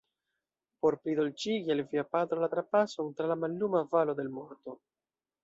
por plidolĉigi al via patro la trapason tra la malluma valo de l’morto.